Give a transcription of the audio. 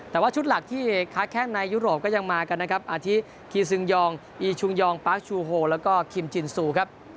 แต่ว่าชุดหลักที่ค้าแข้งในยุโรปก็ยังมากันนะครับอาทิคีซึงยองอีชุงยองปาร์คชูโฮแล้วก็คิมจินซูครับ